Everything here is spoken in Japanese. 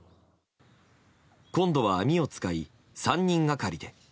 今度は網を使い３人がかりで。